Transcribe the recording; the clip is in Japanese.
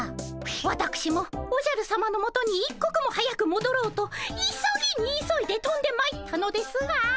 わたくしもおじゃるさまのもとに一刻も早くもどろうと急ぎに急いでとんでまいったのですが。